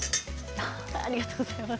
ありがとうございます。